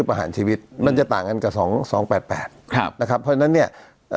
ประหารชีวิตมันจะต่างกันกันกับ๒๘๘นะครับเพราะฉะนั้นเนี่ย